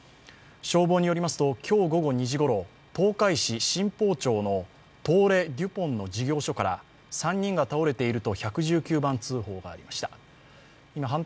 消防によりますと、今日午後２時ごろ、東海市新宝町の東レ・デュポンの事業所から３人が倒れていると１１９番通報がありました。